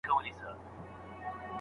شاګرد باید پخپله خپله املا سمه کړي.